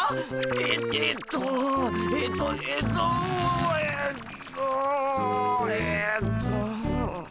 ええっとえっとえっとえっとえっと。